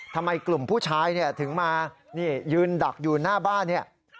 ทำไมกลุ่มผู้ชายถึงมานี่ยืนดักอยู่หน้าบ้านเนี่ย